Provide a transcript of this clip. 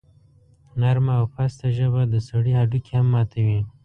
نرمه او پسته ژبه د سړي هډوکي هم ماتوي.